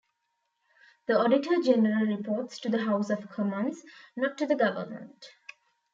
The Auditor General reports to the House of Commons, not to the government.